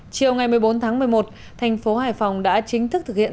chiều ngày một mươi bốn tháng một mươi một thành phố hải phòng đã chính thức thực hiện